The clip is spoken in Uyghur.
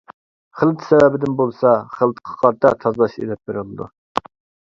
خىلىت سەۋەبىدىن بولسا خىلىتقا قارىتا تازىلاش ئېلىپ بېرىلىدۇ.